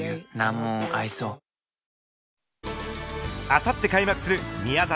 あさって開幕する宮里藍